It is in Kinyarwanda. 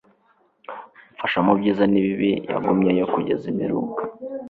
amfasha mu byiza n'ibibi, yagumyeyo kugeza imperuka